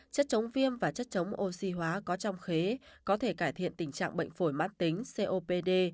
chất chống viêm và chất chống oxy hóa có trong khế có thể cải thiện tình trạng bệnh phổi mãn tính copd